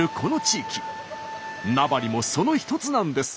名張もその一つなんです。